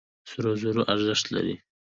سرو زرو ارزښت لري.